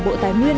bộ tài nguyên